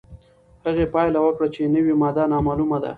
هغې پایله وکړه چې نوې ماده نامعلومه ده.